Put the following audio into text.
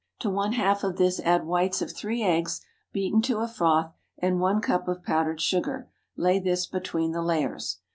To one half of this add whites of three eggs, beaten to a froth, and one cup of powdered sugar. Lay this between the layers.